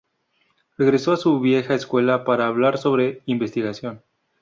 Regresó a su vieja escuela para hablar sobre investigación.